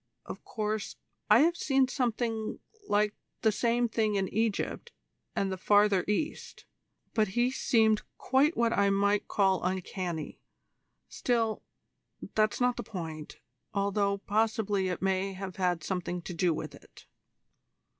Of course I have seen something like the same thing in Egypt and the Farther East; but he seemed quite what I might call uncanny. Still, that's not the point, although possibly it may have had something to do with it."